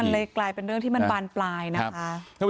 เลยกลายเป็นเรื่องที่มันบานปลายนะคะ